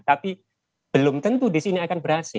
tapi belum tentu di sini akan berhasil